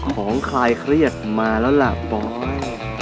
ของใครเครียดมาแล้วล่ะปลอย